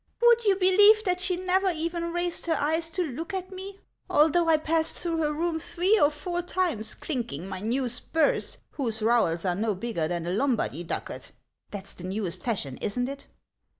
Would you believe that she never even raised her eyes to look at me, although I passed through her room three or four times clinking my new spurs, whose rowels are no bigger than a Lombard y ducat ? That 's the newest fashion, is n't it